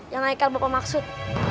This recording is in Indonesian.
yang haikal bapak maksud